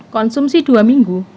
konsumsi dua minggu